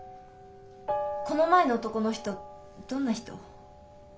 この前の男の人どんな人？